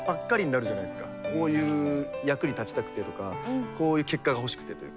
こういう役に立ちたくてとかこういう結果が欲しくてというか。